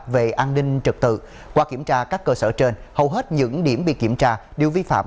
về an ninh trật tự qua kiểm tra các cơ sở trên hầu hết những điểm bị kiểm tra đều vi phạm